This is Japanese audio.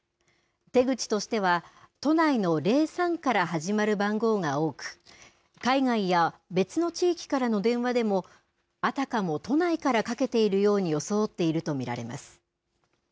手口としては、都内の０３から始まる番号が多く海外や別の地域からの電話でもあたかも都内からかけているように装っていると見られます。